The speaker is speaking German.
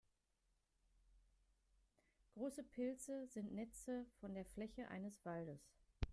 Große Pilze sind Netze von der Fläche eines Waldes.